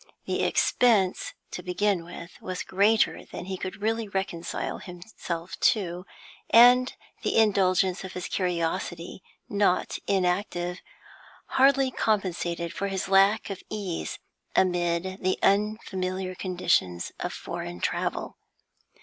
The expense, to begin with, was greater than he could readily reconcile himself to, and the indulgence of his curiosity, not inactive, hardly compensated for his lack of ease amid the unfamiliar conditions of foreign travel.